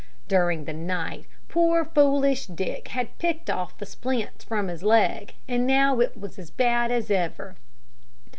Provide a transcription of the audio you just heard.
During the night, poor foolish Dick had picked off the splints from his leg, and now it was as bad as ever.